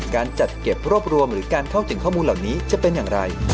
การจัดเก็บรวบรวมหรือการเข้าถึงข้อมูลเหล่านี้จะเป็นอย่างไร